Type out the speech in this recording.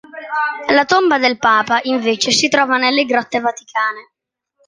La tomba del papa, invece, si trova nelle Grotte Vaticane.